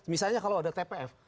misalnya kalau ada tpf